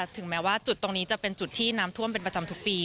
ถึงแม้ว่าจุดตรงนี้จะเป็นจุดที่น้ำท่วมเป็นประจำทุกปี